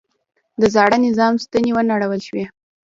د زاړه نظام ستنې ونړول شوې.